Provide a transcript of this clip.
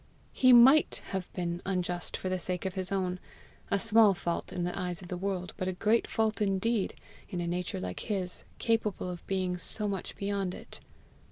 He MIGHT have been unjust for the sake of his own a small fault in the eyes of the world, but a great fault indeed in a nature like his, capable of being so much beyond it.